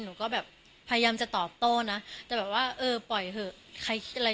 หนูก็แบบพยายามจะตอบโต้นะแต่แบบว่าเออปล่อยเถอะใครคิดอะไร